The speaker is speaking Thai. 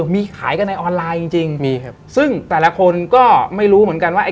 มีขายกันในออนไลน์จริงจริงมีครับซึ่งแต่ละคนก็ไม่รู้เหมือนกันว่า